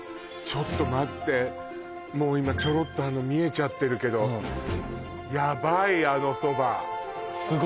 ちょっと待ってもう今ちょろっと見えちゃってるけどやばい